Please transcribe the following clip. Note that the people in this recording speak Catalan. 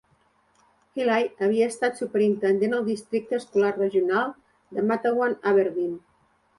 Healy havia estat superintendent al districte escolar regional de Matawan-Aberdeen.